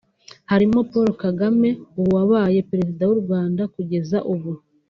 harimo Paul Kagame ubu wabaye Perezida w’u Rwanda kugeza n’ubu